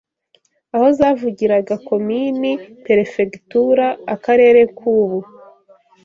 Aho zavugiraga Komini Perefegitura Akarere k’ubu